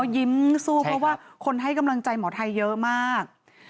ยิ้มสู้เพราะว่าคนให้กำลังใจหมอไทยเยอะมาก